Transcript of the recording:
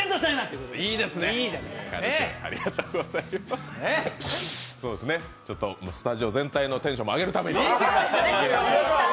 そうですね、スタジオ全体のテンションを上げるために。